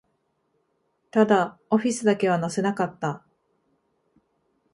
ただ、オフィスだけは乗せなかった